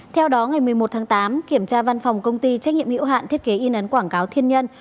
theo đó ngày một mươi một tháng tám kiểm tra văn phòng công ty trách nhiệm hiệu hạn thiết kế in ấn quảng cáo thiên nhân